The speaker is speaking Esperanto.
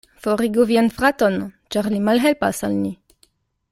Forigu vian fraton, ĉar li malhelpas al ni.